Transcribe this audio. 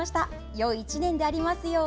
よい１年でありますように。